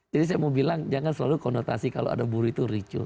jadi saya mau bilang jangan selalu konotasi kalau ada buruh itu ricuh